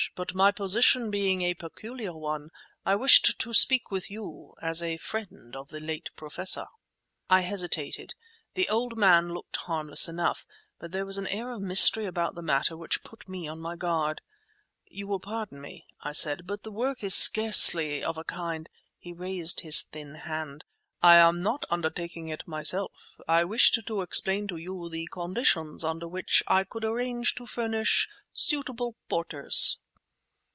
But, my position being a peculiar one, I wished to speak with you—as a friend of the late Professor." I hesitated. The old man looked harmless enough, but there was an air of mystery about the matter which put me on my guard. "You will pardon me," I said, "but the work is scarcely of a kind—" He raised his thin hand. "I am not undertaking it myself. I wished to explain to you the conditions under which I could arrange to furnish suitable porters."